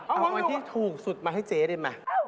เอาอันที่ถูกสุดมาให้เจ๊ดิม